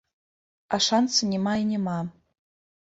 А шанца няма і няма.